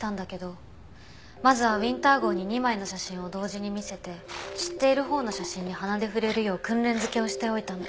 まずはウィンター号に２枚の写真を同時に見せて知っているほうの写真に鼻で触れるよう訓練づけをしておいたの。